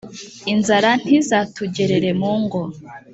inzara ntizatugerera mu ngo